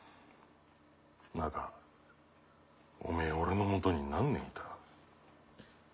中おめえ俺のもとに何年いた？